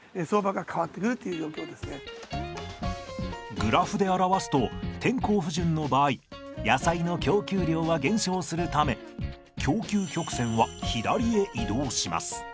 グラフで表すと天候不順の場合野菜の供給量は減少するため供給曲線は左へ移動します。